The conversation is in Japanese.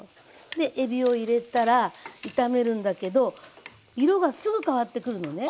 でえびを入れたら炒めるんだけど色がすぐ変わってくるのね。